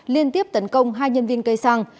liên tiếp tấn công hai nhân viên cây xăng